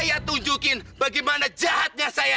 saya tunjukin bagaimana jahatnya saya